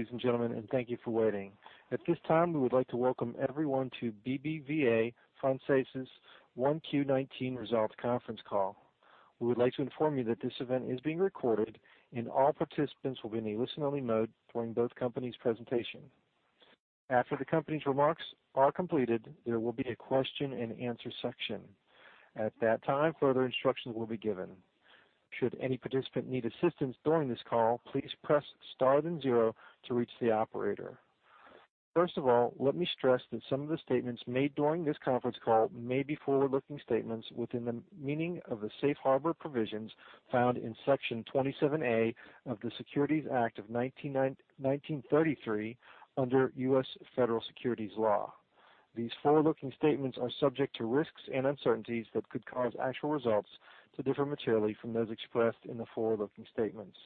Ladies and gentlemen, thank you for waiting. At this time, we would like to welcome everyone to BBVA Francés' 1Q19 results conference call. We would like to inform you that this event is being recorded, and all participants will be in a listen-only mode during both companies' presentation. After the companies' remarks are completed, there will be a question-and-answer section. At that time, further instructions will be given. Should any participant need assistance during this call, please press star then zero to reach the operator. Let me stress that some of the statements made during this conference call may be forward-looking statements within the meaning of the safe harbor provisions found in Section 27A of the Securities Act of 1933 under U.S. Federal Securities Law. These forward-looking statements are subject to risks and uncertainties that could cause actual results to differ materially from those expressed in the forward-looking statements.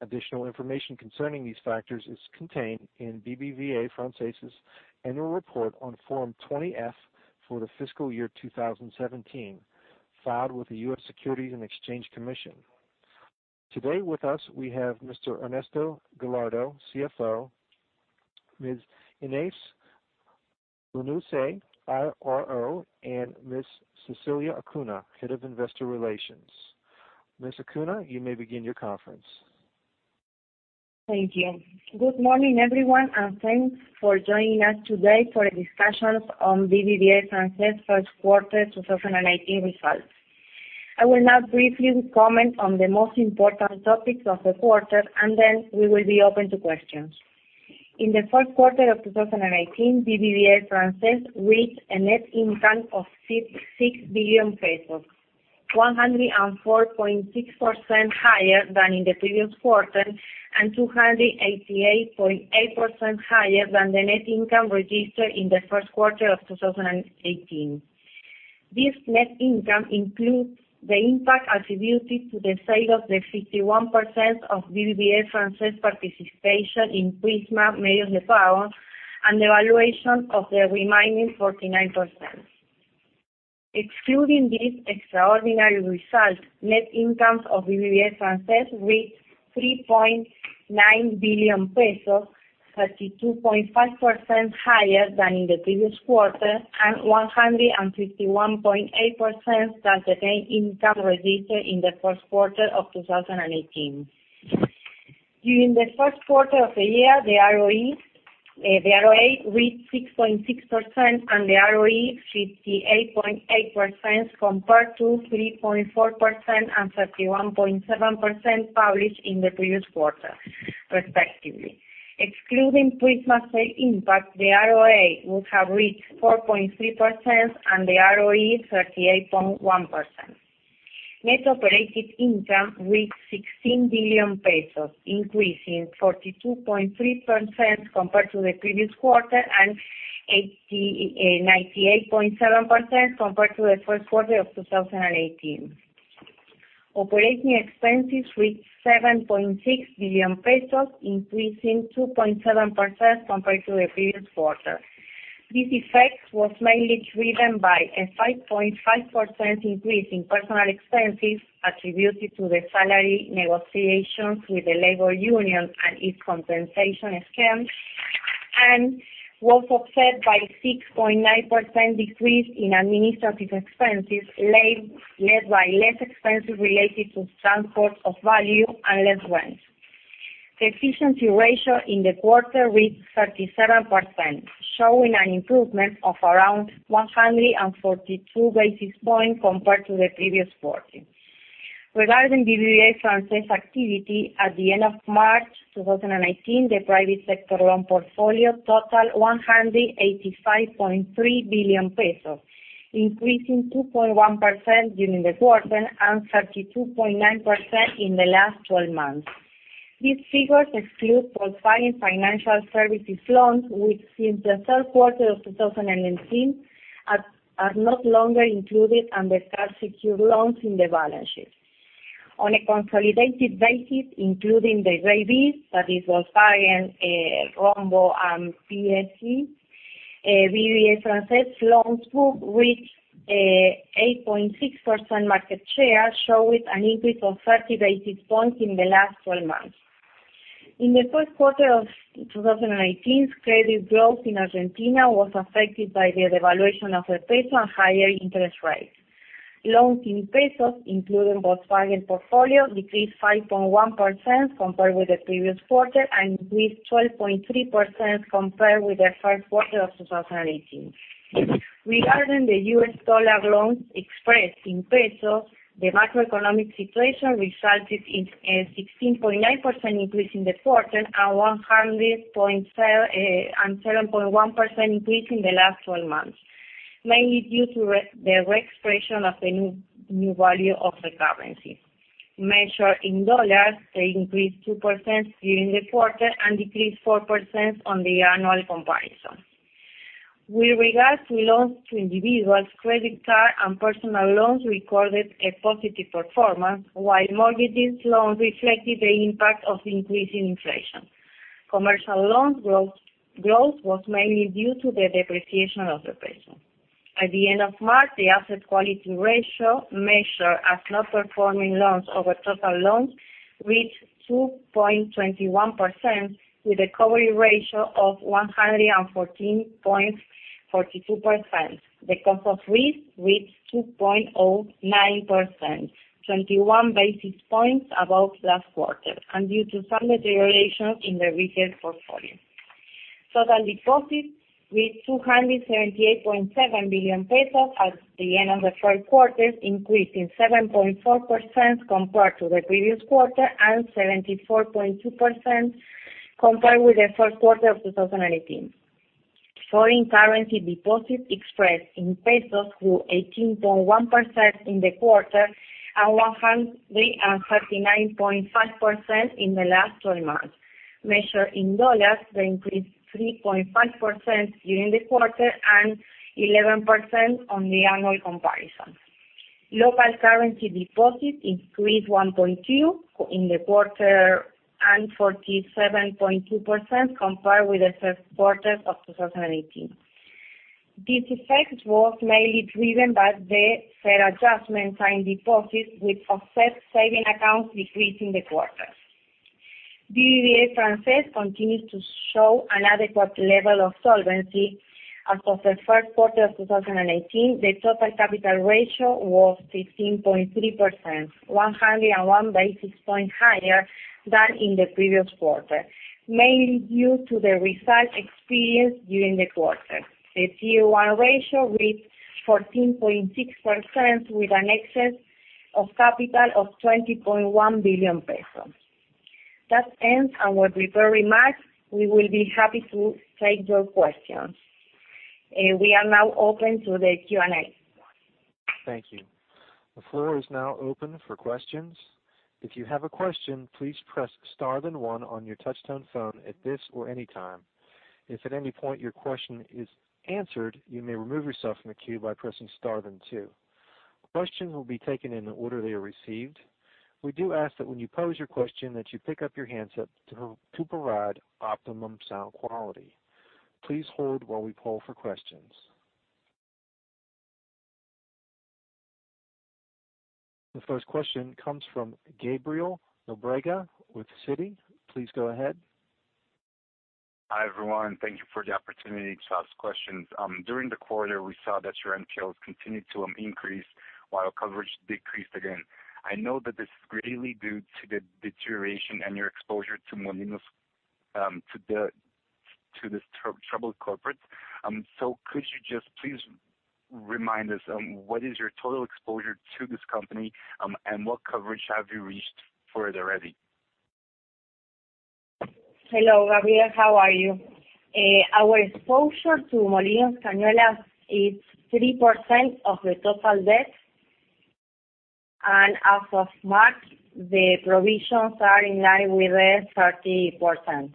Additional information concerning these factors is contained in BBVA Francés Annual Report on Form 20-F for the fiscal year 2017, filed with the U.S. Securities and Exchange Commission. Today with us, we have Mr. Ernesto Gallardo, CFO, Ms. Inés Lanusse, IRO, and Ms. Cecilia Acuña, Head of Investor Relations. Ms. Acuña, you may begin your conference. Thank you. Good morning, everyone, thanks for joining us today for a discussion on BBVA Francés first quarter 2019 results. I will now briefly comment on the most important topics of the quarter, then we will be open to questions. In the first quarter of 2019, BBVA Francés reached a net income of 6 billion pesos, 104.6% higher than in the previous quarter and 288.8% higher than the net income registered in the first quarter of 2018. This net income includes the impact attributed to the sale of the 51% of BBVA Francés participation in Prisma Medios de Pago, and the valuation of the remaining 49%. Excluding this extraordinary result, net income of BBVA Francés reached ARS 3.9 billion, 32.5% higher than in the previous quarter, and 151.8% than the net income registered in the first quarter of 2018. During the first quarter of the year, the ROA reached 6.6%, and the ROE, 58.8%, compared to 3.4% and 31.7% published in the previous quarter, respectively. Excluding Prisma sale impact, the ROA would have reached 4.3%, and the ROE, 38.1%. Net operating income reached 16 billion pesos, increasing 42.3% compared to the previous quarter and 98.7% compared to the first quarter of 2018. Operating expenses reached 7.6 billion pesos, increasing 2.7% compared to the previous quarter. This effect was mainly driven by a 5.5% increase in personal expenses attributed to the salary negotiations with the labor union and its compensation scheme, was offset by 6.9% decrease in administrative expenses, led by less expenses related to transport of value and less rents. The efficiency ratio in the quarter reached 37%, showing an improvement of around 142 basis points compared to the previous quarter. Regarding BBVA Francés activity, at the end of March 2019, the private sector loan portfolio totaled 185.3 billion pesos, increasing 2.1% during the quarter and 32.9% in the last 12 months. These figures exclude Volkswagen Financial Services loans, which since the third quarter of 2019, are no longer included under car secured loans in the balance sheet. On a consolidated basis, including the JVs, that is Volkswagen, Rombo, and PSA, BBVA Francés loan book reached 8.6% market share, showing an increase of 30 basis points in the last 12 months. In the first quarter of 2019, credit growth in Argentina was affected by the devaluation of the ARS and higher interest rates. Loans in ARS, including Volkswagen portfolio, decreased 5.1% compared with the previous quarter and increased 12.3% compared with the first quarter of 2018. Regarding the U.S. dollar loans expressed in ARS, the macroeconomic situation resulted in a 16.9% increase in the quarter and 7.1% increase in the last 12 months, mainly due to the reexpression of the new value of the currency. Measured in dollars, they increased 2% during the quarter and decreased 4% on the annual comparison. With regards to loans to individuals, credit card and personal loans recorded a positive performance, while mortgage loans reflected the impact of increasing inflation. Commercial loans growth was mainly due to the depreciation of the ARS. At the end of March, the asset quality ratio measured as non-performing loans over total loans reached 2.21%, with a recovery ratio of 114.42%. The cost of risk reached 2.09%, 21 basis points above last quarter, and due to some deterioration in the retail portfolio. Total deposits reached 278.7 billion pesos at the end of the first quarter, increasing 7.4% compared to the previous quarter and 74.2% compared with the first quarter of 2018. Foreign currency deposits expressed in ARS grew 18.1% in the quarter and 139.5% in the last 12 months. Measured in dollars, they increased 3.5% during the quarter and 11% on the annual comparison. Local currency deposits increased 1.2% in the quarter and 47.2% compared with the first quarter of 2018. This effect was mainly driven by the fixed adjustment time deposits, which offset savings accounts decreased in the quarter. BBVA Francés continues to show an adequate level of solvency. As of the first quarter of 2018, the total capital ratio was 15.3%, 101 basis points higher than in the previous quarter, mainly due to the result experienced during the quarter. The Tier 1 ratio reached 14.6%, with an excess of capital of 20.1 billion pesos. That ends our prepared remarks. We will be happy to take your questions. We are now open to the Q&A. Thank you. The floor is now open for questions. If you have a question, please press star then one on your touch-tone phone at this or any time. If at any point your question is answered, you may remove yourself from the queue by pressing star then two. Questions will be taken in the order they are received. We do ask that when you pose your question, that you pick up your handset to provide optimum sound quality. Please hold while we poll for questions. The first question comes from Gabriel Nobrega with Citi. Please go ahead. Hi, everyone. Thank you for the opportunity to ask questions. During the quarter, we saw that your NPLs continued to increase while coverage decreased again. I know that this is greatly due to the deterioration and your exposure to Molinos, to this troubled corporate. Could you just please remind us, what is your total exposure to this company, and what coverage have you reached for it already? Hello, Gabriel. How are you? Our exposure to Molinos Cañuelas is 3% of the total debt. As of March, the provisions are in line with the 30%.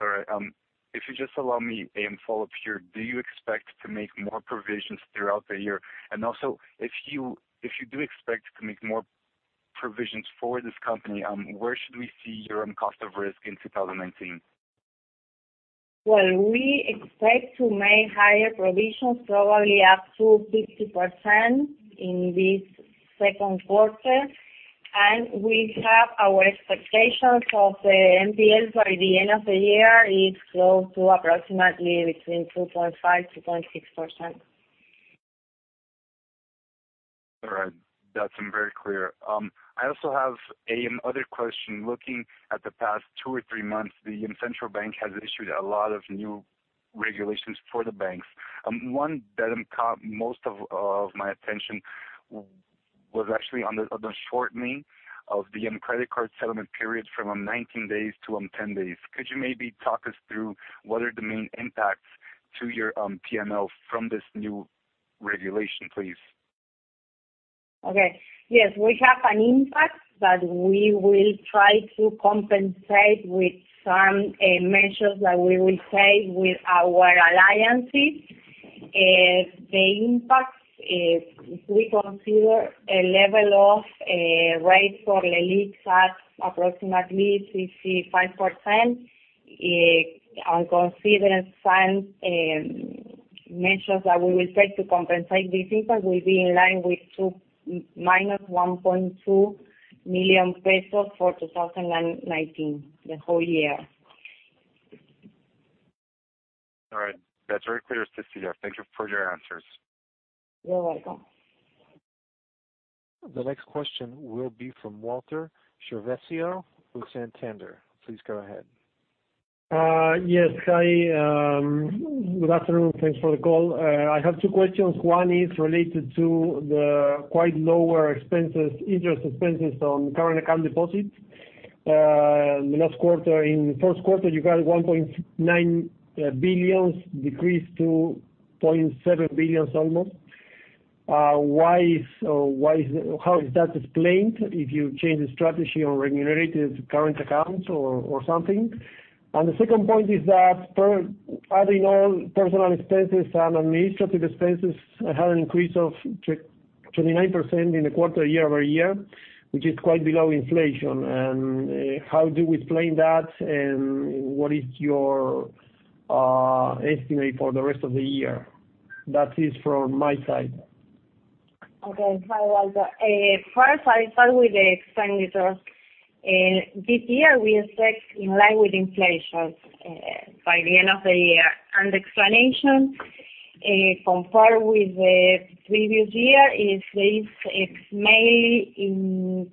All right. If you just allow me a follow-up here, do you expect to make more provisions throughout the year? If you do expect to make more provisions for this company, where should we see your cost of risk in 2019? We expect to make higher provisions, probably up to 50% in this second quarter. We have our expectations of the NPLs by the end of the year, it's close to approximately between 2.5%-2.6%. All right. That's very clear. I also have another question. Looking at the past two or three months, the Central Bank has issued a lot of new regulations for the banks. One that caught most of my attention was actually on the shortening of the credit card settlement period from 19 days to 10 days. Could you maybe talk us through what are the main impacts to your P&L from this new regulation, please? Okay. Yes, we have an impact, we will try to compensate with some measures that we will take with our alliances. The impact, if we consider a level of rate for the LELIQs at approximately 65%, consider some measures that we will take to compensate this impact, will be in line with minus 1.2 million pesos for 2019, the whole year. All right. That's very clear, Cecilia. Thank you for your answers. You are welcome. The next question will be from Walter Chiarvesio with Santander. Please go ahead. Yes, hi. Good afternoon. Thanks for the call. I have two questions. One is related to the quite lower interest expenses on current account deposits. Last quarter, in the first quarter, you got 1.9 billion decreased to 0.7 billion almost. How is that explained, if you change the strategy on remunerative current accounts or something? The second point is that, adding all personal expenses and administrative expenses had an increase of 10.29% in the quarter year-over-year, which is quite below inflation. How do you explain that, and what is your estimate for the rest of the year? That is from my side. Okay. Hi, Walter. First, I will start with the expenditures. This year, we expect in line with inflation by the end of the year. Explanation, compared with the previous year, is mainly in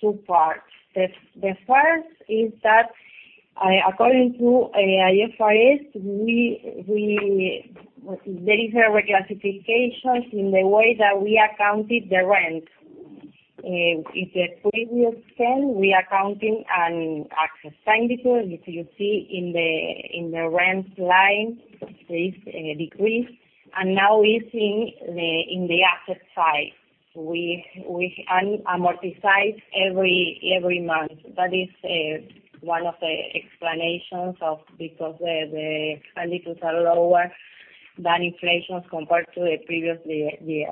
two parts. The first is that according to IFRS, there is a reclassification in the way that we accounted the rent. In the previous accounting, we accounted on accrual basis, because if you see in the rent line, there is a decrease. Now we see in the asset side, we amortize every month. That is one of the explanations, because the rentals are lower than inflation compared to the previous year.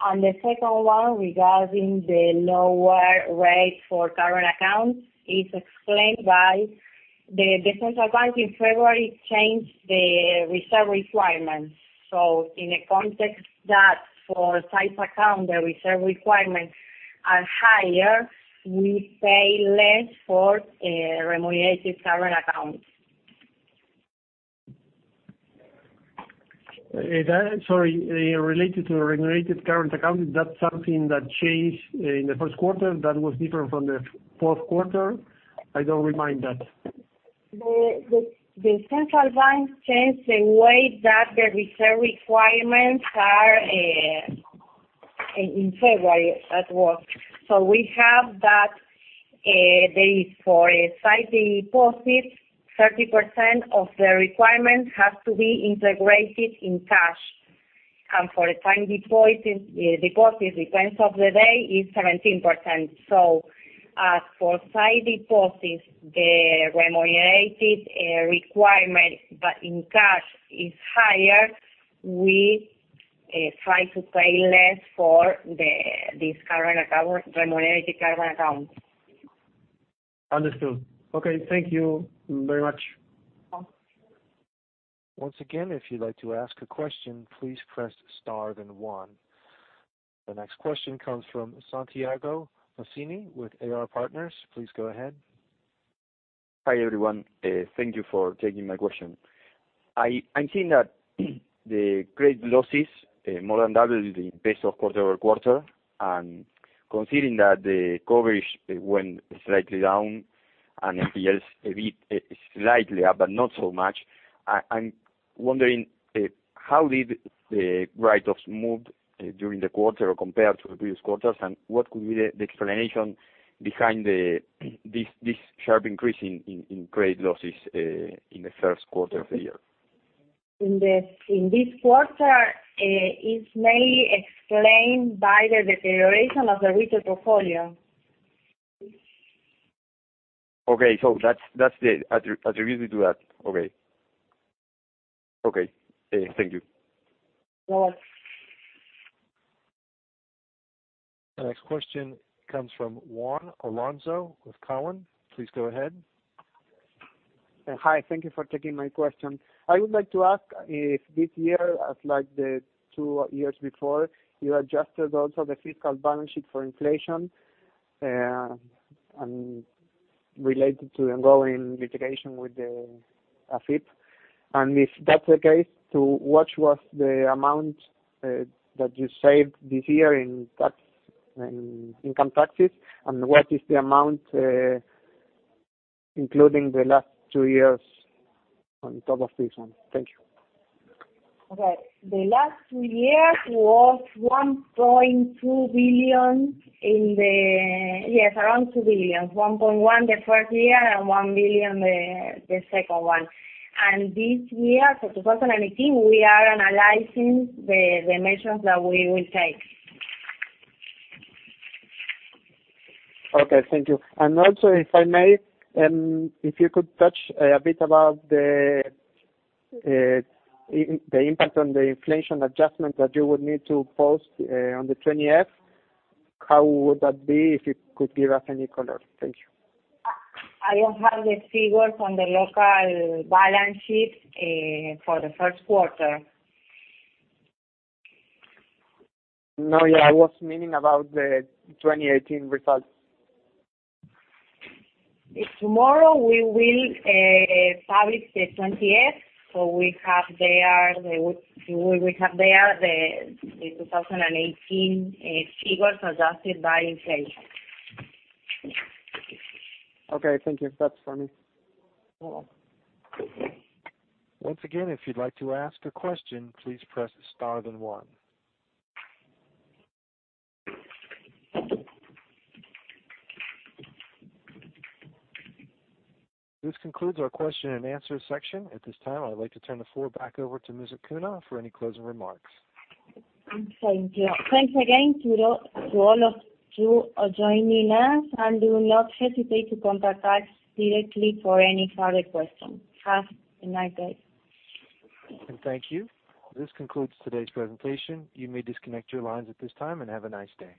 The second one, regarding the lower rate for current accounts, is explained by the Central Bank in February changed the reserve requirements. In a context that for current accounts, the reserve requirements are higher, we pay less for remunerated current accounts. Sorry, related to the remunerated current account, is that something that changed in the first quarter that was different from the fourth quarter? I don't remind that. The Central Bank changed the way that the reserve requirements are in February, that's all. We have that for a sight deposit, 30% of the requirement has to be integrated in cash. For a time deposit, at the end of the day, is 17%. For sight deposits, the remunerated requirement, but in cash, is higher. We try to pay less for these remunerated current accounts. Understood. Okay, thank you very much. No problem. Once again, if you'd like to ask a question, please press star then one. The next question comes from Santiago Maspero with AR Partners. Please go ahead. Hi, everyone. Thank you for taking my question. I'm seeing that the credit losses more than doubled in the pace of quarter-over-quarter. Considering that the coverage went slightly down and NPLs a bit slightly up, but not so much. I'm wondering, how did the write-offs move during the quarter compared to the previous quarters, and what could be the explanation behind this sharp increase in credit losses in the first quarter of the year? In this quarter, it's mainly explained by the deterioration of the retail portfolio. Okay. That's the attribute to that. Okay. Thank you. No problem. The next question comes from Juan Alonso with Cowen. Please go ahead. Hi. Thank you for taking my question. I would like to ask if this year, like the two years before, you adjusted also the fiscal balance sheet for inflation, related to ongoing litigation with the AFIP. If that's the case, what was the amount that you saved this year in income taxes, and what is the amount, including the last two years on top of this one? Thank you. Okay. The last two years was 1.2 billion. Yes, around 2 billion, 1.1 the first year and 1 billion the second one. This year, for 2018, we are analyzing the measures that we will take. Okay, thank you. Also, if I may, if you could touch a bit about the impact on the inflation adjustment that you would need to post on the 20-F. How would that be, if you could give us any color? Thank you. I don't have the figures on the local balance sheet for the first quarter. No, I was meaning about the 2018 results. Tomorrow, we will publish the 20-F. We have there the 2018 figures adjusted by inflation. Okay, thank you. That's for me. No problem. Once again, if you'd like to ask a question, please press star then one. This concludes our question and answer section. At this time, I'd like to turn the floor back over to Ms. Acuña for any closing remarks. Thank you. Thanks again to all of you joining us. Do not hesitate to contact us directly for any further questions. Have a nice day. Thank you. This concludes today's presentation. You may disconnect your lines at this time, and have a nice day.